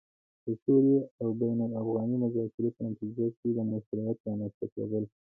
د سولې او بين الافغاني مذاکرې په نتيجه کې د مشروعيت رامنځته کېدل